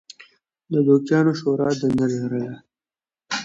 د دوکیانو شورا دنده لرله.